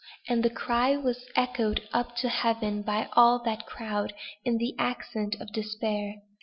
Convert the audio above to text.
And the cry was echoed up to heaven by all that crowd in an accent of despair.